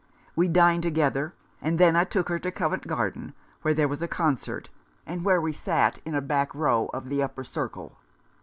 We dined together, and then I took her to Covent Garden, where there was a concert, and where we sat in a back row of the upper circle.